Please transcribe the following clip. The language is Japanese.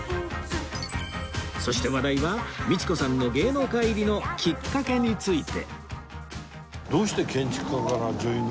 そして話題は道子さんの芸能界入りのきっかけについて